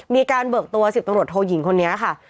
เบิกตัว๑๐ตำรวจโทยิงคนนี้ค่ะ